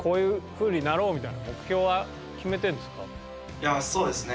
いやそうですね。